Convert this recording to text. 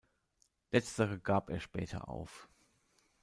Letztere gab er später auf.